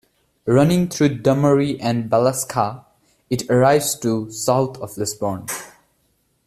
Running through Dunmurry and Ballyskeagh it arrives to the south of Lisburn.